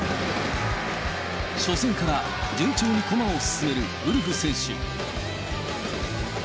初戦から順調に駒を進めるウルフ選手。